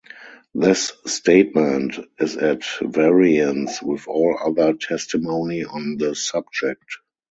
This statement is at variance with all other testimony on the subject.